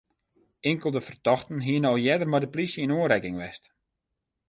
Inkelde fertochten hiene al earder mei de plysje yn oanrekking west.